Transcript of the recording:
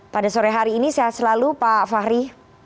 pada sore hari ini sehat selalu pak fahri